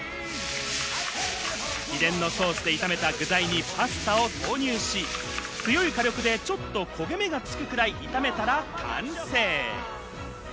秘伝のソースで炒めた具材にパスタを投入し、強い火力でちょっと焦げ目がつくくらい炒めたら完成。